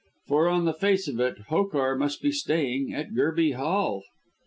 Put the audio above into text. For, on the face of it, Hokar must be staying at Gerby Hall.